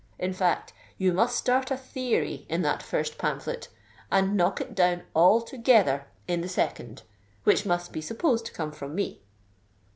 In fact, you must start a theory in that first pamphlet, and knock it down altogether in the second, which must be supposed to come from me."